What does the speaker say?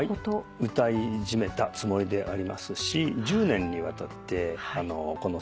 歌い締めたつもりでありますし１０年にわたってこの作品を。